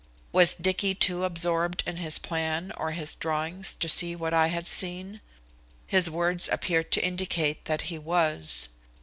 Was Dicky too absorbed in his plan or his drawings to see what I had seen? His words appeared to indicate that he was.